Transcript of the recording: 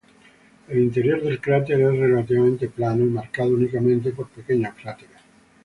El interior del cráter es relativamente plano y marcado únicamente por pequeños cráteres.